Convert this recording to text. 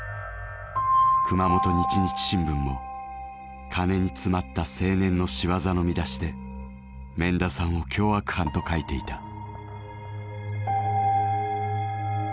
熊本日日新聞も「金につまった青年のしわざ」の見出しで免田さんを凶悪犯と書いていた。